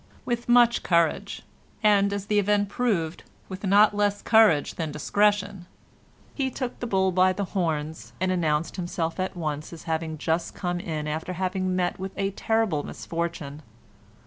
With much courage, and, as the event proved, with not less courage than discretion, he took the bull by the horns, and announced himself at once as having just come in after having met with a terrible misfortune.